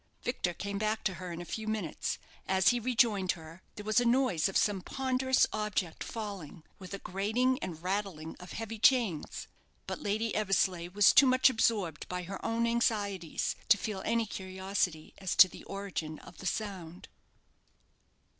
Victor came back to her in a few minutes. As he rejoined her, there was a noise of some ponderous object falling, with a grating and rattling of heavy chains; but Lady Eversleigh was too much absorbed by her own anxieties to feel any curiosity as to the origin of the sound.